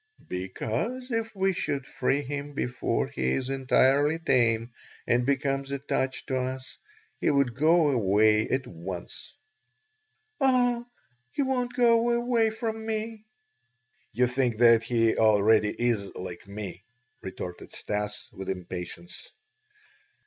"Because if we should free him before he is entirely tame and becomes attached to us, he would go away at once." "Oh! He won't go away from me." "You think that he already is like me," retorted Stas with impatience.